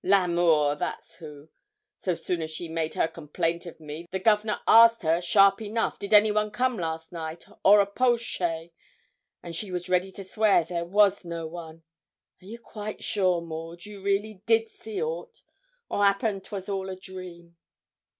'L'Amour that's who. So soon as she made her complaint of me, the Gov'nor asked her, sharp enough, did anyone come last night, or a po'shay; and she was ready to swear there was no one. Are ye quite sure, Maud, you really did see aught, or 'appen 'twas all a dream?'